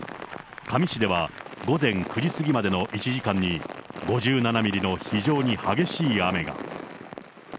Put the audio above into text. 香美市では、午前９時過ぎまでの１時間に５７ミリの非常に激しい雨が。